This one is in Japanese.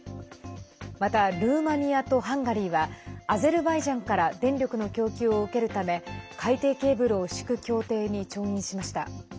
また、ルーマニアとハンガリーはアゼルバイジャンから電力の供給を受けるため海底ケーブルを敷く協定に調印しました。